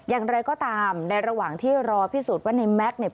อย่างไรก็ตามในระหว่างที่รอพิสูจน์ว่าในแม็กซ์เนี่ย